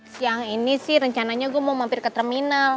siang ini sih rencananya gue mau mampir ke terminal